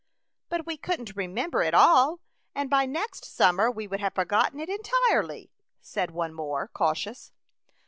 " But we couldn't remember it all, and by next summer we would have forgotten it entirely," said one more cautious.